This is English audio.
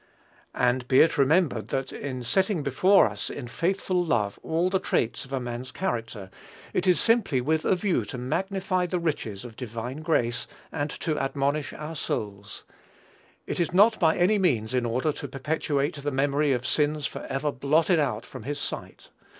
And be it remembered that in setting before us in faithful love all the traits of a man's character, it is simply with a view to magnify the riches of divine grace and to admonish our souls. It is not by any means in order to perpetuate the memory of sins forever blotted out from his sight.